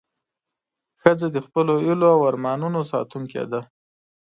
ښځه د خپلو هیلو او ارمانونو ساتونکې ده.